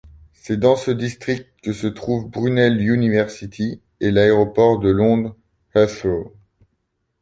C'est dans ce district que se trouvent Brunel University et l'aéroport de Londres Heathrow.